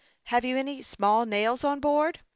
" Have you any small nails on board